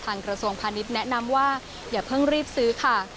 กระทรวงพาณิชย์แนะนำว่าอย่าเพิ่งรีบซื้อค่ะ